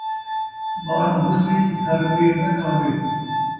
ٻاہروں رُسی، گھر ٻیر ناں کھاوے